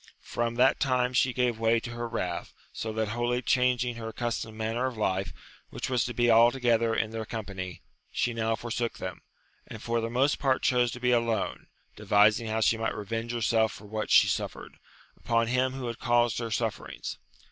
From that time she gave way to her wrath, so that wholly changing her accustomed manner of life, which was to be altogether in their company, she now forsook them, and for the most part chose to be alone, devising how she might revenge herself for what she suffered, upon him who had caused her sufferings.